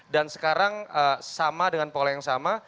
dan sekarang sama dengan pola yang sama